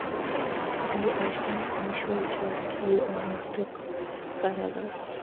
কী অসীম ঐশ্বর্য, কী অনন্ত কারাগার।